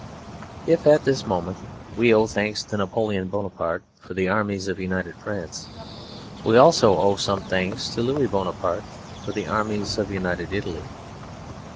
If at this moment we owe thanks to Napoleon Bonaparte for the armies of united France, we also owe some thanks to Louis Bonaparte for the armies of united Italy.